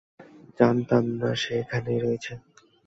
জানতাম না সে এখানেই রয়েছে।